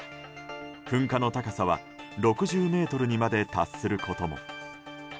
噴火の高さは６０ｍにまで達することも。